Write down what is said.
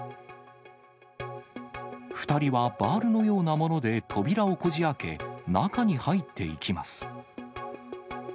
２人はバールのようなもので扉をこじあけ、中に入っていきます。